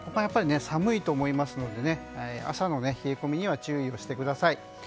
寒いと思いますので朝の冷え込みには注意をしてください。